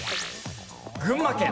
群馬県。